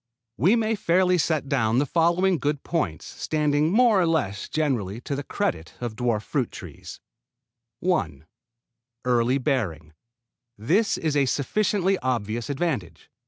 We may fairly set down the following good points standing more or less generally to the credit of dwarf fruit trees: 1. Early bearing. This is a sufficiently obvious advantage.